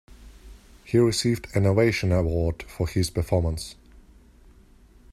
He received an Ovation Award for his performance.